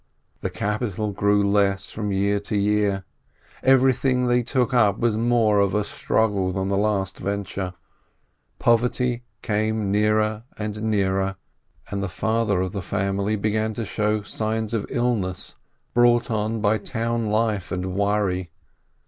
The capital grew less from year to year; everything they took up was more of a strug gle than the last venture; poverty came nearer and nearer, and the father of the family began to show signs of illness, brought on by town life and worry.